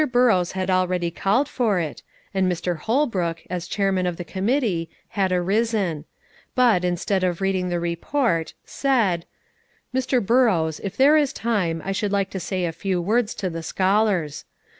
Burrows had already called for it, and Mr. Holbrook, as chairman of the committee, had arisen; but, instead of reading the report, said, "Mr. Burrows, if there is time, I should like to say a few words to the scholars.